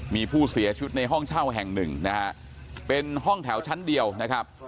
มีผู้เสียชีวิตในห้องเช่าแห่งหนึ่งนะฮะเป็นห้องแถวชั้นเดียวนะครับ